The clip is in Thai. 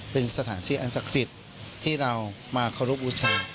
เป็นสถานที่อันศักดิ์สิทธิ์ที่เรามาเคารพบูชา